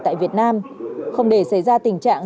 tại việt nam không để xảy ra tình trạng